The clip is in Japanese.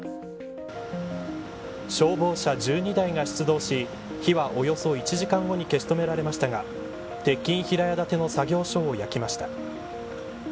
消防車１２台が出動し火はおよそ１時間後に消し止められましたが鉄筋平屋建ての作業所を焼きました。